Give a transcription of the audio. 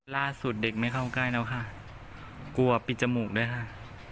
ล่าสุดเด็กไม่เข้าใกล้แล้วค่ะกลัวปิดจมูกด้วยค่ะ